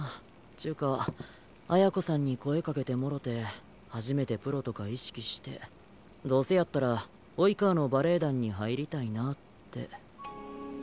ちゅうか綾子さんに声掛けてもろて初めてプロとか意識してどうせやったら「生川」のバレエ団に入りたいなって。